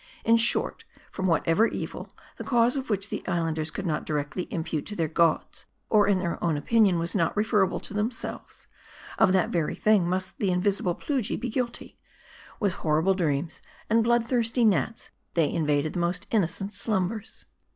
In short, from whatever evil, the cause of which the Islanders could not directly impute to their gods, or in their own opin ion was not referable to themselves, of that very thing must the invisible Plujii be guilty. With horrible dreams, and .blood thirsty gnats, they invaded the most innocent slumbers.